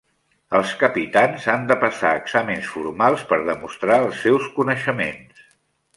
Els capitans han de passar exàmens formals per demostrar els seus coneixements.